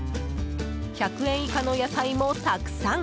１００円以下の野菜もたくさん。